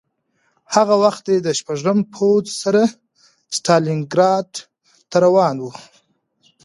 هغه وخت دی د شپږم پوځ سره ستالینګراډ ته روان و